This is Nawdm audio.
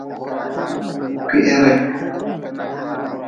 Kwihri.